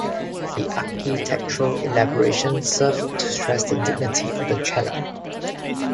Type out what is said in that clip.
The architectural elaboration served to stress the dignity of the cella.